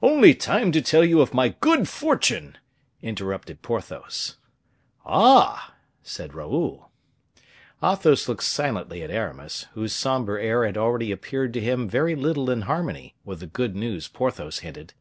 "Only time to tell you of my good fortune," interrupted Porthos. "Ah!" said Raoul. Athos looked silently at Aramis, whose somber air had already appeared to him very little in harmony with the good news Porthos hinted.